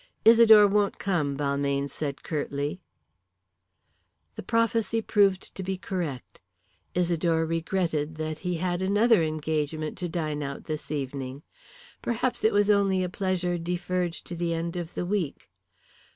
"Isidore won't come," Balmayne said, curtly. The prophecy proved to be correct. Isidore regretted that he had another engagement to dine out this evening. Perhaps it was only a pleasure deferred to the end of the week.